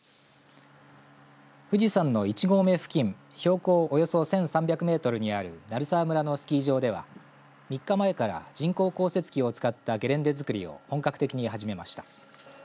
富士山の１合目付近、標高およそ１３００メートルにある鳴沢村のスキー場では３日前から、人工降雪機を使ったゲレンデ作りを本格的に始めました。